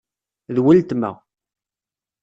D weltma.